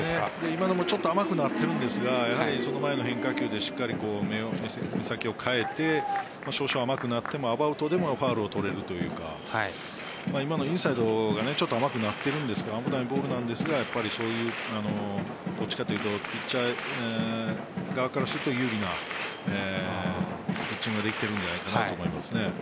今のもちょっと甘くなっているんですがやはりその前の変化球でしっかり目先を変えて少々甘くなっても、アバウトでもファウルを取れるというか今のインサイドがちょっと甘くなっているんですが危ないボールですがやっぱりそういうどっちかというとピッチャー側からすると有利なピッチングができているんじゃないかなと思います。